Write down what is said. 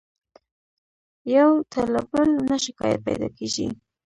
يو ته له بل نه شکايت پيدا کېږي.